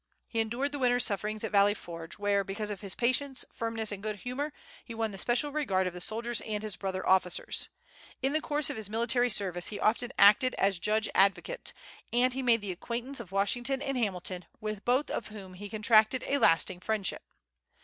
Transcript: He endured the winter's sufferings at Valley Forge, where because of his patience, firmness, and good humor, he won the special regard of the soldiers and his brother officers. In the course of his military service he often acted as judge advocate; and he made the acquaintance of Washington and Hamilton, with both of whom he contracted a lasting friendship.